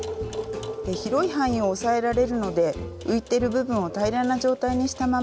広い範囲を押さえられるので浮いてる部分を平らな状態にしたまま縫うことができます。